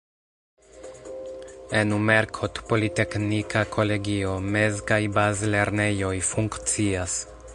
En Umerkot politeknika kolegio, mez- kaj bazlernejoj funkcias.